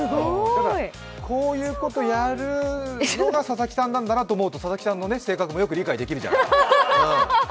こういうことやるのが佐々木さんなんだなと思うと佐々木さんの性格もよく理解できるじゃない。